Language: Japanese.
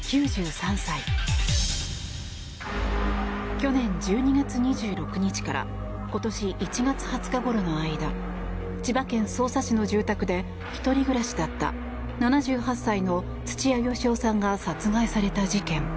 去年１２月２６日から今年１月２０日ごろの間千葉県匝瑳市の住宅で一人暮らしだった７８歳の土屋好夫さんが殺害された事件。